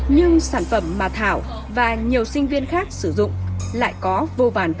nhưng sản phẩm mà thảo và nhiều sinh viên khác sử dụng lại có vô vàn vấn đề